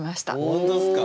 本当っすか？